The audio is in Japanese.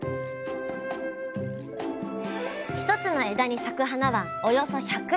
一つの枝に咲く花はおよそ１００。